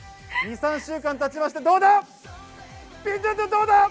２３週間経ちました、どうぞ？